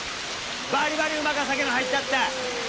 バリバリうまか酒の入ったったい。